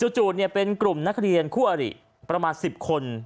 จู่เป็นกลุ่มนักเรียนคู่อริประมาณ๑๐คน